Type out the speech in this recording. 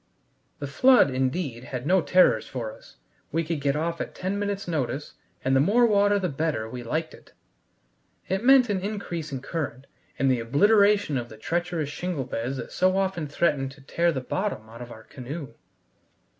The flood, indeed, had no terrors for us; we could get off at ten minutes' notice, and the more water the better we liked it. It meant an increasing current and the obliteration of the treacherous shingle beds that so often threatened to tear the bottom out of our canoe.